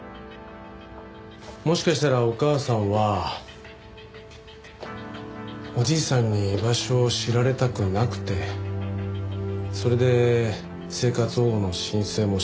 もしかしたらお母さんはおじいさんに居場所を知られたくなくてそれで生活保護の申請もしなかった。